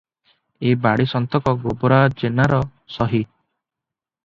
ଏ ବାଡ଼ି ସନ୍ତକ ଗୋବରା ଜେନାର ସହି ।